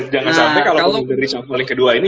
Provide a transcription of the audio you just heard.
jangan sampai kalau kemudian di resupple kedua ini